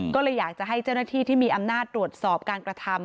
ก็เลยอยากจะให้เจ้าหน้าที่ที่มีอำนาจตรวจสอบการกระทำ